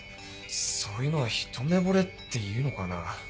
そういうのは一目ぼれって言うのかな？